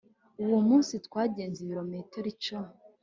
uwo munsi twagenze ibirometero icumi